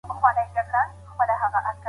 کنايي بيله نيته طلاق نسي بلل کيدلای.